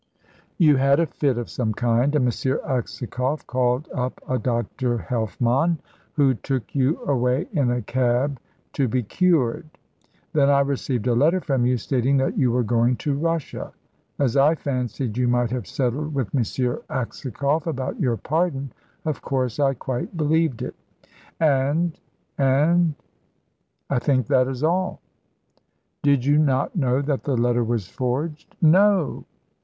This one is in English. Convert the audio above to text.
"You had a fit of some kind, and M. Aksakoff called up a Dr. Helfmann, who took you away in a cab to be cured. Then I received a letter from you, stating that you were going to Russia. As I fancied you might have settled with M. Aksakoff about your pardon, of course I quite believed it, and and I think that is all." "Did you not know that the letter was forged?" "No!"